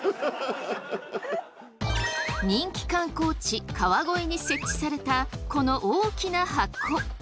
人気観光地川越に設置されたこの大きな箱。